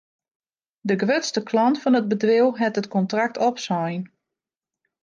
De grutste klant fan it bedriuw hat it kontrakt opsein.